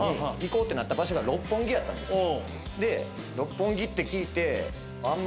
で六本木って聞いて。